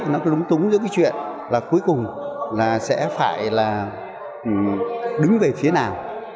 nó cứ lúng túng giữa cái chuyện là cuối cùng là sẽ phải là đứng về phía nào